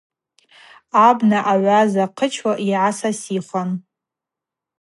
Абна агӏваз ахъычуа йгӏасасихуан.